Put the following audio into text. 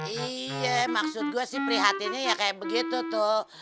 iya maksud gue sih prihatinnya ya kayak begitu tuh